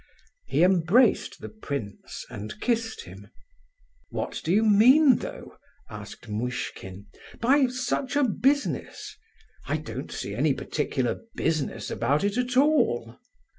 He embraced the prince, and kissed him. "What do you mean, though," asked Muishkin, "'by such a business'? I don't see any particular 'business' about it at all!"